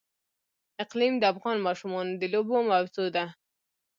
اقلیم د افغان ماشومانو د لوبو موضوع ده.